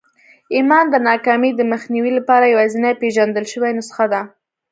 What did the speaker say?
ايمان د ناکامۍ د مخنيوي لپاره يوازېنۍ پېژندل شوې نسخه ده.